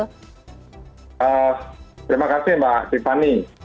terima kasih mbak tiffany